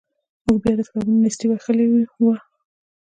موږ بیا د کتابونو نیستۍ وهلي وو.